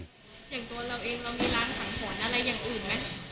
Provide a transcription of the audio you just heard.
อย่างตัวเราเองเรามีร้านสังหรณ์อะไรอย่างอื่นไหม